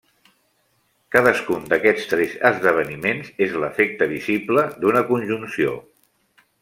Cadascun d'aquests tres esdeveniments és l'efecte visible d'una conjunció.